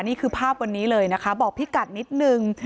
นี่คือภาพวันนี้เลยนะคะบอกพี่กัดนิดนึง